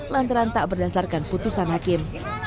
lantaran tak berdasarkan putusan hakim